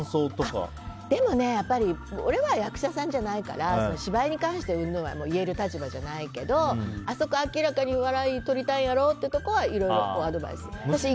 俺は役者さんじゃないから芝居に関して言える立場じゃないけどあそこ明らかに笑いとりたいやろってところはいろいろアドバイスって。